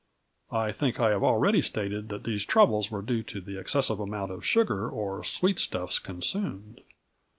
I think I have already stated that these troubles were due to the excessive amount of sugar or sweetstuffs consumed.